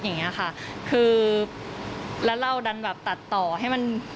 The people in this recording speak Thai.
อย่างเงี้ยค่ะคือแล้วเราดันแบบตัดต่อให้มัน